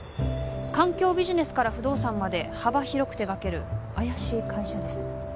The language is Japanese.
環境ビジネスから不動産まで幅広く手がける怪しい会社です